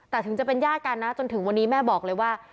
แต่ถึงจะเป็นญาติกันนะจนถึงวันนี้แม่บอกเลยว่า